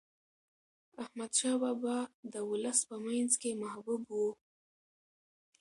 احمد شاه بابا د ولس په منځ کې محبوب و.